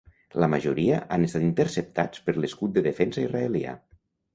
La majoria han estat interceptats per l’escut de defensa israelià.